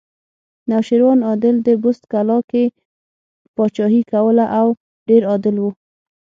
نوشیروان عادل د بست کلا کې پاچاهي کوله او ډېر عادل و